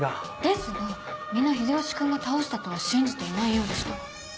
ですがみんな秀吉君が倒したとは信じていないようでした。